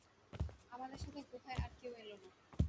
আমাদের সাথে গুহায় আর কেউ এলো না।